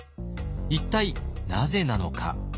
一体なぜなのか。